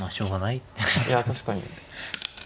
いや確かに。